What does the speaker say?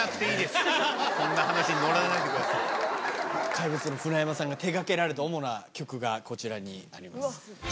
怪物の船山さんが手掛けられた主な曲がこちらになります。